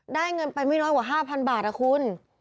ได้เงินไปไม่น้อยกว่าห้าพันบาทอะคุณ